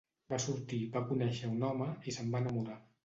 Va sortir, va conèixer un home i se'n va enamorar.